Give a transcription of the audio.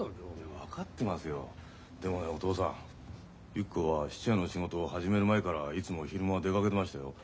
ゆき子は質屋の仕事を始める前からいつも昼間出かけてましたよ。